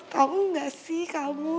tau gak sih kamu